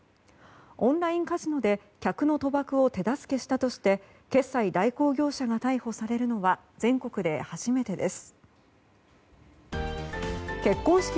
オンラインカジノで客の賭博を手助けしたとして決済代行業者が逮捕されるのは全国で初めてです。